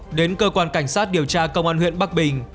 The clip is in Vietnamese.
nên gửi đơn tổ cáo đến cơ quan cảnh sát điều tra công an huyện bắc bình